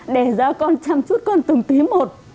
để ra con chăm chút con từng tí một